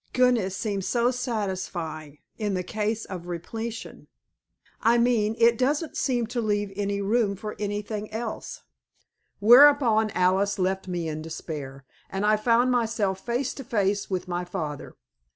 "Goodness seems so satisfying in the case of repletion. I mean it doesn't seem to leave room for anything else." Whereupon Alice left me in despair, and I found myself face to face with my father.